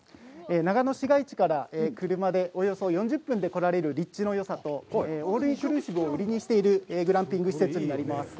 長野市街地から車でおよそ４０分で来られる立地のよさと、オールインクルーシブを売りにしているグランピング施設になります。